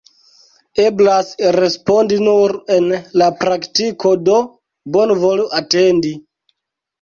Eblas respondi nur en la praktiko, do bonvolu atendi.